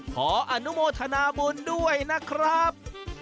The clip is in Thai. ขออนุโมทนาบุญด้วยนะครับ